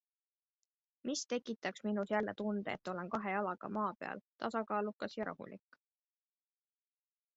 Mis tekitaks minus jälle tunde, et olen kahe jalaga maa peal, tasakaalukas ja rahulik?